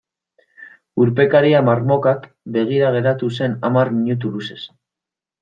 Urpekaria marmokak begira geratu zen hamar minutu luzez.